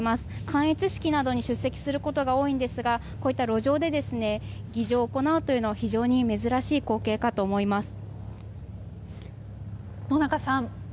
観閲式などに出席することが多いんですがこういった路上で儀仗を行うというのは非常に珍しい光景かと思います。